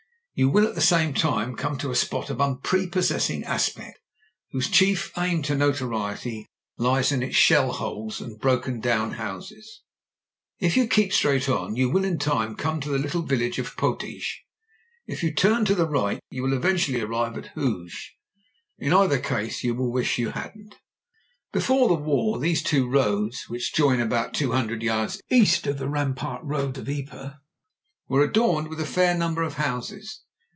You will at the same time come to a spot of unpre possessing aspect, whose chief claim to notoriety lies in its shell holes and broken down houses. If you keep straight on you will in time come to the little village of Potige; if you turn to the right you will eventually arrive at Hooge. In either case you will wish you hadn't Before the war these two roads — which join about two hundred yards east of the rampart walls of Ypres — ^were adorned with a fair number of houses.